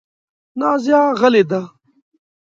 نازیه غلې ده .